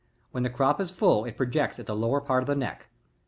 When the crop Is full it projects at the lower part of the neck.